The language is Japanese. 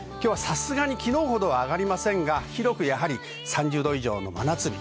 昨日ほどは上がりませんが広く３０度以上の真夏日。